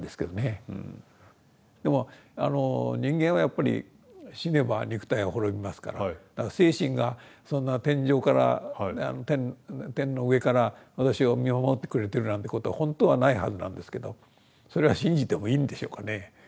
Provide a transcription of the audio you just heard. でも人間はやっぱり死ねば肉体は滅びますから精神がそんな天上から天の上から私を見守ってくれてるなんてことはほんとはないはずなんですけどそれは信じてもいいんでしょうかね。